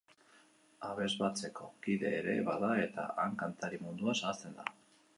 Abesbatzeko kide ere bada eta han kantari munduaz ahazten da.